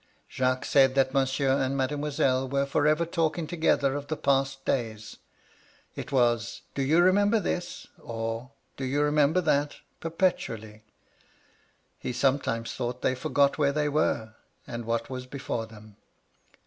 Jacques said that Monsieur and Mademoiselle were for ever talking together of the past days, — it was *Do you remember this ?' or, *Do you remember that?' perpetually. He sometimes thought they forgot where they were, and what was before them.